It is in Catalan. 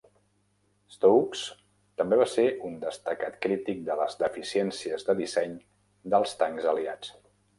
Stokes també va ser un destacat crític de les deficiències de disseny dels tancs aliats.